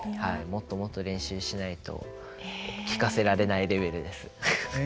もっともっと練習しないと聴かせられないレベルです。